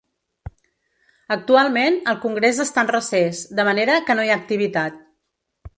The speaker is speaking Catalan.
Actualment el congrés està en recés, de manera que no hi ha activitat.